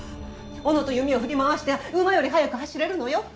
おのと弓を振り回して馬より速く走れるのよ。